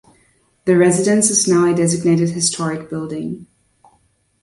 The residence is now a designated historic building.